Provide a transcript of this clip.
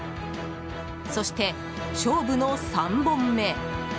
そして、勝負の３本目。